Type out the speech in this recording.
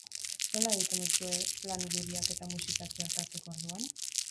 Nola egiten duzue lan irudiak eta musika txertatzeko orduan?